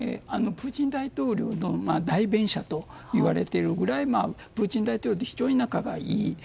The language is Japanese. プーチン大統領の代弁者といわれているくらいプーチン大統領と非常に仲がいい。